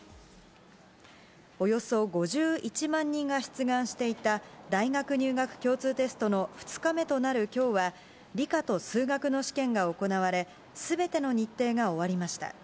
およそ５１万人が出願していた大学入学共通テストの２日目となるきょうは、理科と数学の試験が行われ、すべての日程が終わりました。